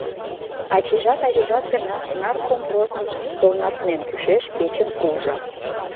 «Ачийжат-авийжат» гына Наркомпросын совнацмен кӱшеш кечым ужо.